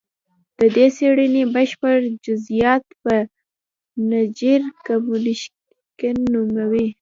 د دې څېړنې بشپړ جزیات په نېچر کمونیکشن نومې